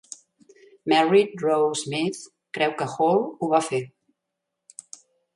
Merrit Roe Smith creu que Hall ho va fer.